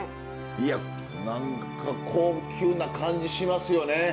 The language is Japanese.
いや何か高級な感じしますよね。